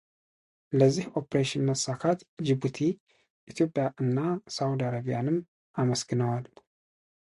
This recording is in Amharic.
ለዚህ ኦፕሬሽን መሳካት ጂቡቲ ኢትዮጵያ እና ሳዑዲ አረቢያንም አመስግነዋል።